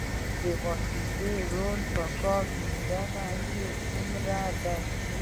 د واسطې رول په کار موندنه کې څومره دی؟